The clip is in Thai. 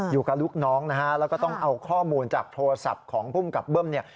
อยู่กับลูกน้องนะฮะแล้วก็ต้องเอาข้อมูลจากโทรศัพท์ของภูมิกับเบิ้มเนี่ย